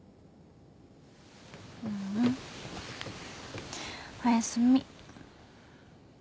ううん。おやすみ。